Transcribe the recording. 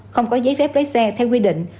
không có giấy phép lái xe theo quy định